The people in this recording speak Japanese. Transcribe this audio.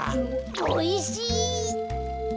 おいしい。